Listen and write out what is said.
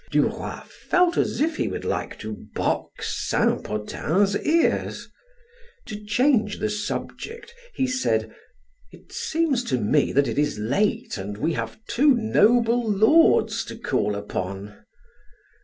Duroy felt as if he would like to box Saint Potin's ears. To change the subject he said: "It seems to me that it is late, and we have two noble lords to call upon!"